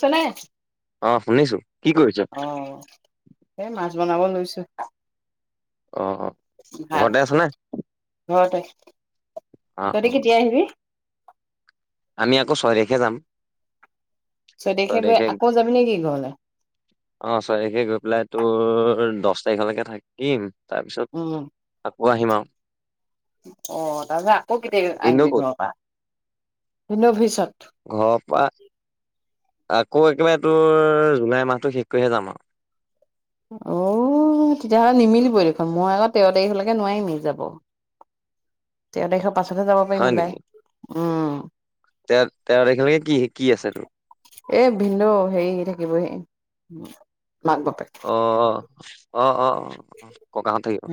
চলে, অ শুনিছো কি কৰিছ অ সেই মা বনাব লৈছো। অঁ ভাত ঘৰতে আছা নে? ঘৰতে অ অ তহতি কেতিয়া আহিবি আমি আকৌ ছয় তাৰিখে যাম চৈতাৰিখে ছয় গৈ তাৰিখে অ আকৌ যাবি নেকি ঘৰলে ছয় তাৰিখে গৈ পেলায় তোৰ দহ তাৰিখলৈকে থাকিম তাৰপিছত উম আকৌ আহিম আও অ তাৰ পাছত আকৌ কেতিয়া ভিনদেউ আহিবি ক'ত ঘৰৰ পৰা তিনিদিনৰ পিছত ঘৰৰ পা আকৌ একেবাৰে তোৰ জুলাই মাহটো শেষ কৰিহে যাম আও অ তেতিয়াহ'লে নিমিলিবই দেখোন মই আকৌ তেৰ তাৰিখলৈকে নোৱাৰিমে যাব তেৰ তাৰিখৰ পাছতহে যাব হয় পাৰিম ওলাই নেকি উম তেৰ তেৰ তাৰিখেলৈকে কি কি আছে তোৰ এ ভিনদেউ হেৰি থাকিবহি মাক বাপেক অ অ অ অ ককা হত থাকিব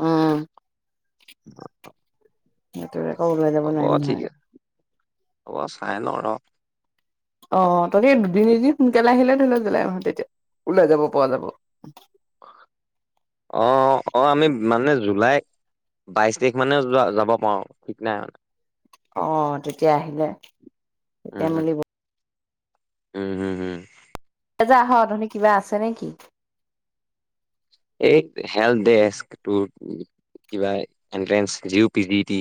উম [unintelligible] সেইটো আকৌ ওলাই যাব হ'ব নোৱাৰিম ঠিক নহয় আছে হ'ব চাই ল‌ও ৰ অ তাকেই দুদিন এদিন সোনকালে আহিলে ধৰি লওক জলাই আহ তেতিয়া ওলাই যাব প যাব অ অ অ আমি যাব মানে জুলাই বাইশ তাৰিখ মানেও যাব পাৰো ঠিক নাই মান অ তেতিয়া আহিলে তেতিয়া মিলব উ হোঁ হোঁ হোঁ ত‌ই যে আহ তহতি কিবা আছে নেকি? এই হেল দে কিবা এনট্ৰেন্ঞ্চ জি পি জিটি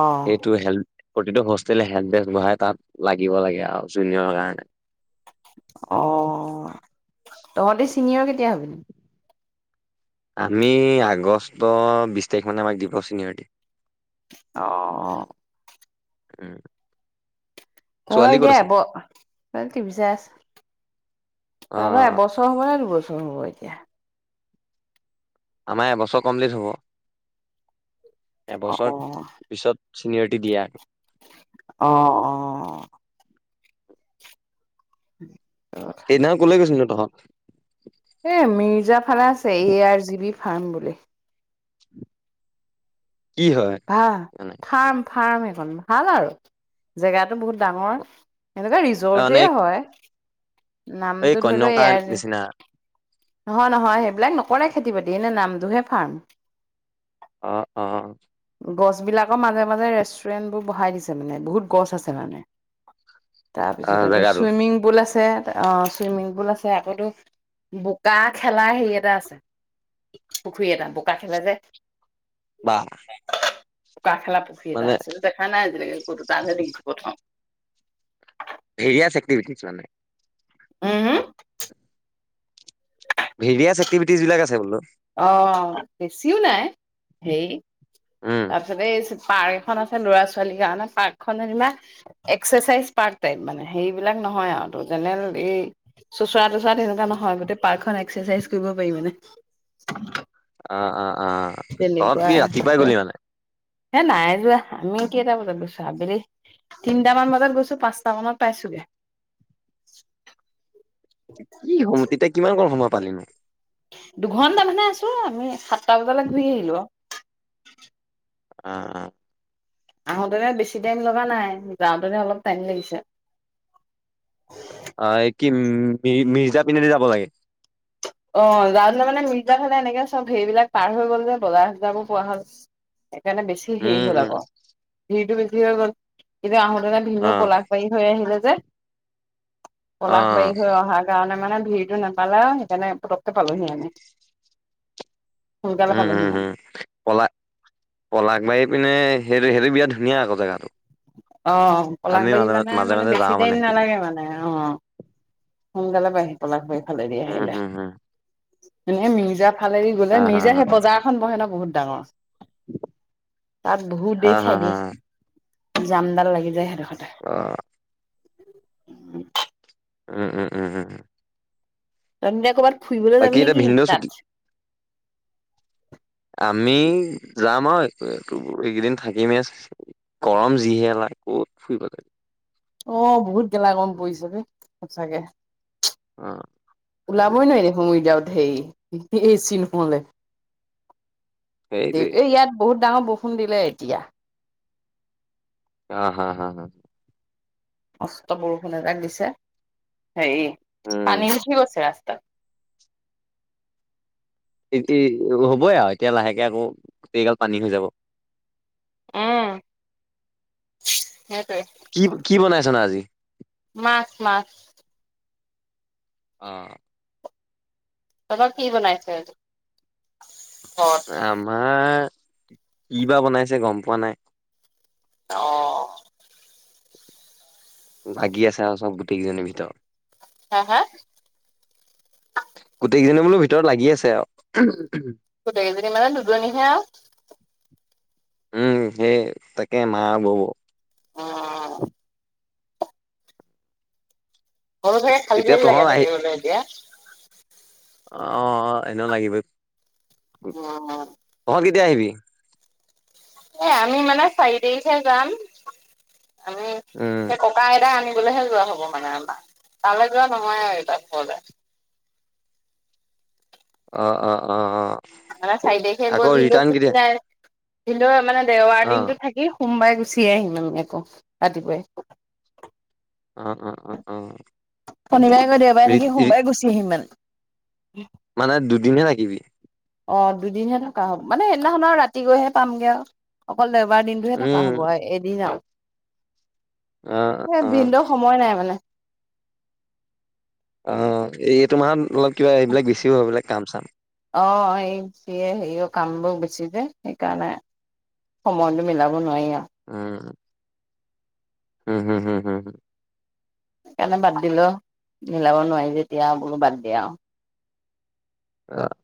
আহ প্ৰতিটো হোষ্টেলে হেণ্ড বেগ বঢ়াই তাত লাগিব লাগে আৰু জুনিয়ৰ কাৰণে অ তহঁতে চিনিয়ৰ কেতিয়া হবি। আমি আগষ্ট বিশ তাৰিখ মানে আমাক দিব চনিয়ৰটি অ অ উম ঘৰ ছোৱালী ক'ত দিয়া আছে হব ৰা বিচাৰছ অ তহতৰ এবছৰ হব নে দুবছৰ হব এতিয়া আমাৰ এবছৰ কমপ্লিট হ'ব। অ এবছৰ পিছত চিনিয়ৰিটি দিয়া। অ অ উ সেইদিনা কলে গৈছিল নো তহঁত এ মিৰ্জা ফালে আছে এ আৰ জি বি ফাৰ্ম বুলি [inaudible] ভাহ মানে ফাৰ্ম ফাৰ্ম এ ভাল আৰু জেগাতো বহুত ডাঙৰ এনেকুৱা তাৰ মানে ৰিজৰ্টে হয়। এই নামটোৰ ধৰিল এ কন্যকা এৰ নিচিনা নহয় নহয় সেইবিলাক নকৰে খেতি বাতি এনে নামটোহে ফাৰ্ম। অ অ গছবিলাকৰ মাজে মাজে ৰেষ্টুৰেণ্ট বোৰ বঢ়াই দিছে মানে বহুত গছ আছে মানে। অ তাৰপিছতটো জেগাটোত চুইমিং পুল আছে। অ চুইমিং পুল আছে আকো বু গা খেলা হেৰি এটা আছে পুখুৰী এটা। বোকা খেলে যে বা বোকা খেলা পুখুৰী এটা মানে আছে সেইটো দেখা নাই আজিলৈকে ক'তো তাতহে দেখিছো প্ৰথম। ভেৰিয়াছ একটিভেটিছ মানে হেঁ হেঁ ভিৰিয়াছ এক্টিভিটিচ্‌ বিলাক আছে বোলো। অঁ, বেছিও নাই, হেৰি উম তাৰপিছতে চুপাৰ খন আছে ল'ৰা- ছোৱালীৰ কাৰণে, পাৰ্কখন যেনেবা এক্সাৰচাইজ পাৰ্ক টাইপ মানে, হেৰিবিলাক নহয় আও। ত'জেনেৰেল এই চোচৰা -তোচৰা তেনেকোৱা নহয় গোটেই পাৰ্কখন এক্সাৰচাইজ কৰিব পাৰি মানে। আঁ, আঁ, আঁ তহঁত তেনেকুৱা কি আছে ৰাতিপুৱাই গলি মানে? হে নাই যোৱা। আমি কেইটা বজাত গৈছো? আবেলি তিনটামান বজাত গৈছো, পাঁচটা মানত পাইছোগে। [inaudible] কি সম তেতিয়া কিমানকণ সময় পালি নো? দুঘন্টা মানে আছো আমি সাতটা বজালে ঘূৰি আহিলোঁ আও। অঁ, অঁ আহোতেনে বেছি টাইম লগা নাই। যাওঁতেনে অলপ টাইম লাগিছে। অঁ, কিম্, দি মিৰ্জা পিনেদি যাব লাগে? অঁ, যাওঁতে মানে মিৰ্জা ফালে এনেকে চব হেৰিবিলাক পাৰ হৈ গ'ল যে বজাৰ-ছজাৰ বোৰ পোৱা হ'ল। সেইকাৰণে বেছি হেৰি উম হ'ল উম আকৌ, ভিৰটো বেছি হৈ গ'ল, কিন্তু আহোতে তহঁতৰ ভিনদউ অ পলাশবাড়ী হৈ আহিলে যে অ পলাশবাড়ী হৈ অহাৰ কাৰণে মানে, ভিৰটো নাপালে আও, সেইকাৰণে পতক্কে পালোহি আমি। সোনকালে উম, পালোহি উম, মানে উম পলাশ্‌, পলাশবাড়ীপিনে সেইটো, সেইটো বিয়াত ধুনীয়া আক জেগাটো। অঁ আমি পলাশবাড়ী মাজে মানে, মাজে মানে মাজে বেছি যাওঁ মানে টাইম সেইপিনে নালাগে মানে, অঁ সোনকালে পায়হি পলাশবাড়ী ফালেদি উম আহিলে। হম হম এনে মিৰ্জা ফালেদি গ'লে, হা হা মিৰ্জা সেই বজাৰখন বহে ন'? বহুত ডাঙৰ, তাত বহুত হা দেৰি হা খাই হা দিয়ে। জামডাল লাগি যায় সেইডখতে। অ ওঁ, ওঁ, ওঁ, ওঁ ৰণিদা কবাত ফুৰিবলৈ যাবি এতিয়া নেকি? ভিনদেউ ছুটি তাত আমি যাম আও এ তো এইকেইদিন থাকিমেই চে গৰম যিহে লাগে ক'ত ফুৰিব যায়। অঁ, বহুত গেলা গৰম পৰিছে বে সঁচাকে। চিহ্‌, অ সেইটোৱে ওলাবই নোৱাৰি দেখোন উইথআওত হেৰি হিঁ হিঁ চিংফুঙলে। সেইটোৱে দেব্‌, এইয়াত বহুত ডাঙৰ বৰষুণ দিলে এতিয়া। আঁ, হাঁ হাঁ হাঁহ্‌ মস্ত বৰষুণ এজাক দিছে, হেৰি উম, পানী উঠি গৈছে ৰাস্ত তাত্‌ ইত্‌তি, হ'বই আৰু এতিয়া লাহেকে আকৌ গোটেইগাল পানী হৈ যাব। উম, সেইটোৱে কি কি বনাইছা নো আজি? মাছ, মাছ। আ তহঁত কি বনাইছেনো আজি? আমাৰ, কি বা বনাইছে গম পোৱা নাই। অ' ভাগি আছে আও চব, গোটেই কেইজনীৰ ভিতৰত। হা, হা গোটেইকেইজনী বোলো ভিতৰত লাগি আছে আও। গোটেইকেইজনী মানে, দুজনীহে আও। উম, সেয়ে তাকে মা আও বৌ। উম ঘৰত চাগে খালি তেতিয়া খালি তহঁত লাগে আহি থাকিবলে এতিয়া? অ' অ' এনেও লাগিবই। উম তহঁত কেতিয়া আহিবি? এ আমি মানে চাৰি তাৰিখে যাম। আমি উম, সে ককা আইতা আনি- বলেহে যোৱা হ'ব মানে আমাৰ। তালে যোৱা নহয় আৰু এতিয়া ঘৰলে। অ' অ' অ' অ'। ল'ৰা চাৰি তাৰিখে আকৌ গ'ল ভিনদেউ ৰিটাৰ্ণ চুটি কেতিয়া? নাই। ভিনদেউৱে মানে দেওাৰ অ' দিনতটো থাকি সোমবাৰে গুচি আহিম আমি আকৌ ৰাতিপুৱাই। উ উম উম উম। শনিবাৰে আকৌ দেওবাৰে থাকি সোমবাৰে গুচি আহিম মানে। মানে দুদিনহে থাকিবি? অ' দুদিনহে থকা হ'ব মানে সেইদিনাখন আৰু ৰাতি গৈহে পামগে আৰু অকল দে। এবাৰ দিনটোহে থকা উম, হ'ব এদিন আৰু। অ' অ'। ভিনদেউ সময় নাই মানে। অ' এই তোমা অলপ কিবা এইবিলাক বেছিও হয় এইবিলাক কাম চাম। অ' এই যিয়ে হেৰিও কামবোৰ বেছি যে সেইকাৰণে। সময়টো মিলাব নোৱাৰি আৰু। উম। উম হুম হুম হুম হ। সেইকাৰণে বাদ দিলো মিলাব নোৱাৰি। যেতিয়া বোলো বাদ দে আৰু। অ'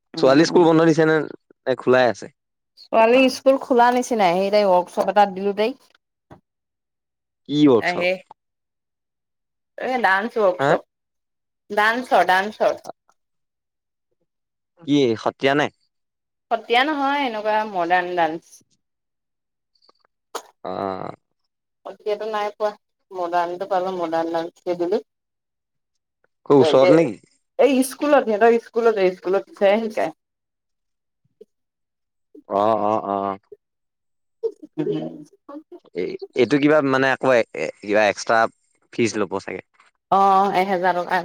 আৰু ছোৱালী উম স্কুল উম বন্ধ দিছে নে নে খোলাই আছে। ছোৱালী স্কুল খোলা নিচিনাই সেই তাই ৱৰ্কশ্বপ এটাত দিলোঁ তাইক। কি ৱৰ্কশপ? এ ডান্স ৱৰ্কশপ ডান্সচৰ ডান্সচৰ। কি সত্ৰীয়া নে? সত্ৰীয়া নহয় এনেকুৱা মডাৰ্ণ ডান্স। অ'। সত্ৰীয়াটো নাই পোৱা। মডাৰ্ণটো পালোঁ মডাৰ্ণ নামটোকে দিলোঁ। খুব ওচৰত তাকে নেকি এই। স্কুলত হেত স্কুলতেই স্কুলত চাৰে শিকাই। অ' অ' অ' অ'। [unintelligible] এ এইটো কিবা মানে আকৌ কিবা এক্সট্ৰা ফিজ ল'ব চাগে।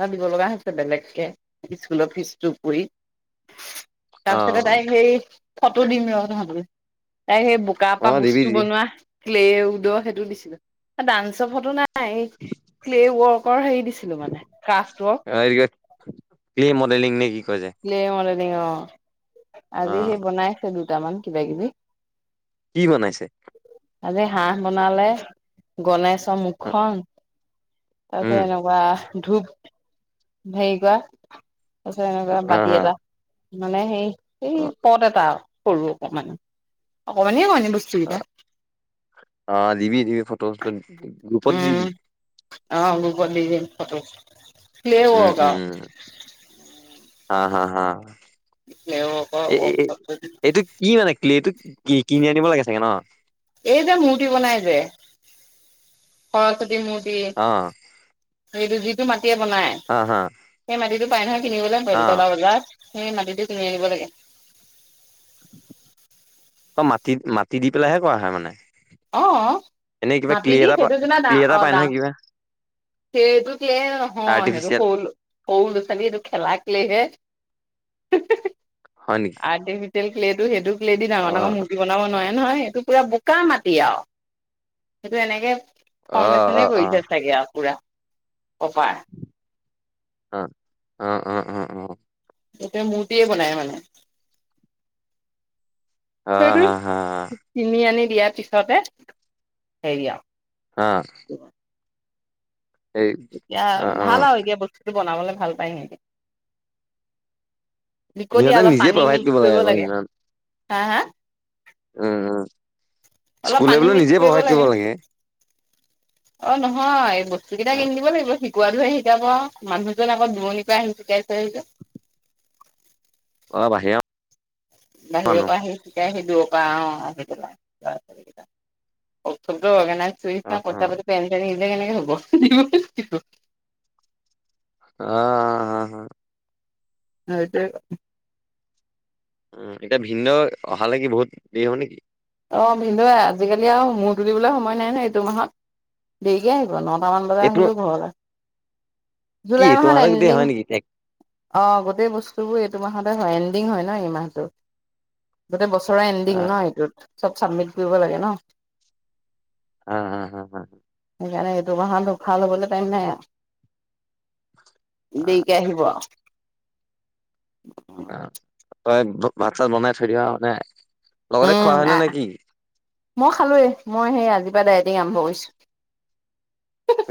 ভাবিব লগা হৈছে বেলেগকে স্কুলৰ ফিজটো কৰি। অ তাৰপিছতে তাই সেই ফটো দিম ৰহ তহতলে। তাই সেই বোকাৰ অ পৰা দিবি বস্তু দিবি বনোৱা ক্লে উদৰ সেইটো দিছিলোঁ ডান্সৰ ফটো নাই। নাই ক্লে ৱৰ্কৰ হেৰি দিছিলোঁ মানে ক্ৰাফ্ট অ ৱৰ্ক। কিবা ক্লে মডেলিং নেকি? ক্লে অ মডেলিং অ অ আজি সেই বনাই আছে। দুটামান কিবা কিবি। কি বনাইছে? আজি হাঁহ বনালে গণেশ। তামুখন উম তাৰপিছত এনেকুৱা ধূপ। হেৰি কৰা তাৰিছত এনেকুৱা হা বাতি হা এটা মানে হে- অ এই পদ এটা কৰোঁ অকমান অকমানে মানে বস্তু কিটা। অ দিবি দিবি ফটো ফটো গুপত দিবি। গ'ল দি দিম ফটো। ক্লে উম ৱৰ্ক আৰু উম হা হা হা। ক্লে ৱৰ্কৰ এ ৱৰ্কশ্বপটো দিম। এইটো কি মানে? কি এইটো কি কিনি আনিব লাগে চাগে ন? এই যে মূৰ্তি বনাই যে সৰস্বতী মূৰ্তি। অ মূৰ্তি সেইটো দি কে বনাই হা হা সেই মাটিতো পাই নহয় কিনিবলে অ বেলতলা বজাৰত। সেই মাটিটো কিনি আনিব লাগে। অ মাটি মাটি দি পেলাইহে কৰা হয় মানে? অঁ এনেই কিবা ক্লে মাতিবি দি এটা সেইটো পা- বনাই ক্লে এটা পায় নহয় কিবা সেইটো লে নহয় সেইটো আৰ্টিফিচিয়েল সৰু সৰু লৰা ছোৱালীয়ে সেইটো খেলাকলে হে। হয় নেকি আৰু ডিজিটেল- তটো সেইটোক লেদি ডাঙৰ অ ডাঙৰ মৰ্তি বনাব নোৱাৰে নহয় সেইটো পুৰা বোকা মাটি- এতিয়া আৰু সেইটো এনেকে অ ফৰৰ্মেশ্যনে অ অ কৰিছে চাগে আৰু পুৰা। [unintelligible] আহ আহ আহ আহ উম। এটো‌য়ে মূৰ্তিয়ে বনাই মানে। অ হা হা কিনি আনি দিয়াৰ পিছতে হেৰি আৰু। হাঁ। এতিয়া অ অ ভাল আৰু এতিয়া বস্তুটো বনাবলে ভাল পায় সিহঁতি। লিকটিয়া সিহঁতে অলপ নিজে পানী প্ৰভাইড মিক্স কৰিব আকৌ লাগে। ইমান হাঁ হাঁ। উম উম স্কুলে বোলে নিজে প্ৰভাইড কৰিব লাগে। অ নহয় এই বস্তু কেইটা অ কিনি দিব লাগিব। কোৱাটো সে শিকাব মানুহজন আকৌ দূৰণিৰ পৰা আহি শিকাইছে আহি যে। অঁ বাহিৰ- বাহিৰৰ পৰা আহি শিকাই সেইটো। অ আহি তাৰ উৎসৱটো অৰ্গাইজ। অ চুইচনা অ কথা অ পাতি পনি চনি নিলে কেনেকে হব দিব। অঁ অঁ হা হা। হয় উম এতিয়া ভিন্দৈ অহালে কি বহুত দেৰি হব নেকি। অ ভিন্দুৱে আজিকালি আৰু মূৰ তুলিবলৈ সময় নাই নহয় এইটো মাহত দেৰিকে আহিব। নটামান বজাত এইটো আহিব ঘৰলে। কি জুলাই মাহত তোমালোক গোটেই এণ্ডিং হয় নেকি টেক অ গোটেই বস্তুবোৰ এইটো মাহত- হয় এণ্ডিং হয় ন এই মাহটোত। গোটেই বছৰে এণ্ডিং ন আহ এইটোত। চব চাবমিট কৰিব লাগে ন। উম উম হম হম। সেইকাৰণে এইটো মাহত উখা লবলে টাইম নাই আৰু। আহ দেৰিকে আহিব আৰু। আহ তই ভাত চাত বনাই থৈ দিবা মানে লগতে খোৱা উম হয়'নে আহ নে কি। মই খালোঁৱেই মই সেই আজিৰ পৰা ডায়টিং আৰম্ভ কৰিছোঁ।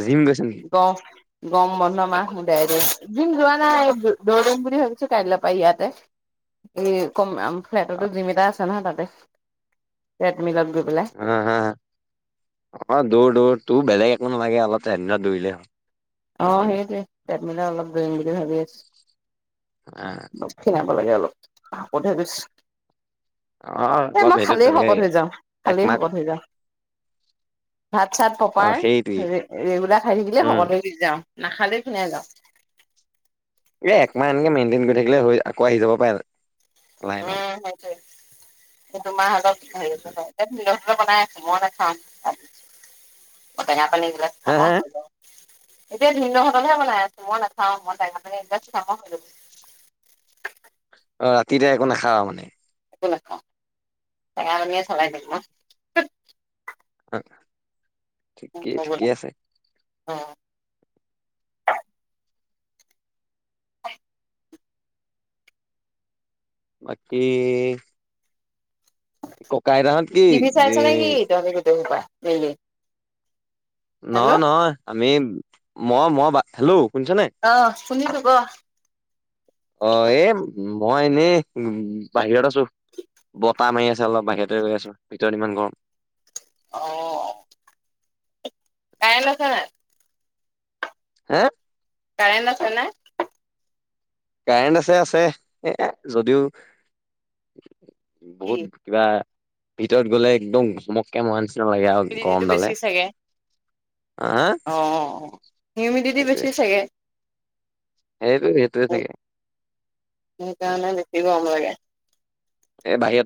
জিম গৈছ নেকি? গৰম বন্ধ মাহ জিম যোৱা- নাই দৌ কৰিম বুলি ভাবিছো কাইলৈ পৰা ইয়াতে। এই কম ফ্লেটতো জিম এটা আছে। তাতে। ট্ৰেডমিলত গৈ পেলাই অ হা অ দৌৰ দৌৰ তু বেলেগ- একো নালাগে অলপ [unintelligible] দৌৰিলে হ'ল। অ' সেইটোৱে তাত মিলে অলপ দৰিম বুলি ভাবি আছো। অ অলপ খিনাব লাগে অলপ শকত হৈ গৈছোঁ। অ এ অলপ মই সেইটো খালেই তেনেকে শকত হৈ যাওঁ, খালেই একমাহ শকত হৈ যাওঁ। ভাত চাত অ প্ৰপাৰ সেইটোৱেই ৰেগুলাৰ খাই থাকিলে উম শকত হৈ - যাওঁ। নাখালেই খিনাই যাওঁ। এই একমাহ এনেকে মেইনটেইন কৰি থাকিলে হৈ আকৌ আহি যাব পাৰে। উম লাইনত সেইটোৱে সেইটো মাহতৰ [unintelligible] বনাই আছে মই নাখাওঁ। মই টেঙা পানী এইবিলাক হা খাম- হা এতিয়া ভিন্দৈহতলৈহে বনাই আছো। মই নাখাওঁ মই টেঙা পানী এগিলাচ খাম আৰু হৈ যাব। [unintelligible] অ' ৰাতিতে একো নাখাওঁ মানে। একো নাখাওঁ টেঙা পানীয়ে চলাই দিম মই। অ' ঠিকেই হৈ গ'ল আও ঠিকেই আছে। অ' বাকি। টি ভি চাইছ নে এ কি তহতি গোটেই সোপা মিলি। হেল্ল' নহয় নহয় আমি মই মই হেল্লো শুনিছ নাই অ শুনিছো ক অ' এ মই এনেই বাহিৰত আছো বতাহ মাৰি আছে। অলপ বাহিৰেতে ৰৈ আছো ভিতৰত ইমান গৰম। অ' কাইন আছে নাই? হে কাৰেণ্ট আছে নাই? কাৰেণ্ট আছে আছে। এ যদিও কি বহুত কিবা ভিতৰত গলে একদম ধমক্কে মৰা নিচিনা। লাগে আৰু হিউমিডিটিটো গৰম বেছি দালে। চাগে অ' হিউমিডিটি সেইটোৱে বেছি চাগে। সেইটো সেইটোৱে চাগে সেইকাৰণে বেছি গৰম লাগে এ বাহিৰত।